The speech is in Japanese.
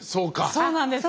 そうなんですよ。